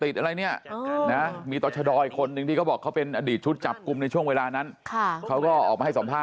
ใช่ไม่ได้ถูกอุ้มแต่ถูกตำรวจจับปังหากเหล่า